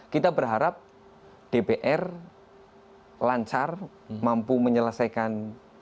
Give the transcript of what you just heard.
kita berharap dpr lancar mampu menyelesaikan